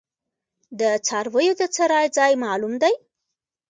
د څارویو د څرائ ځای معلوم دی؟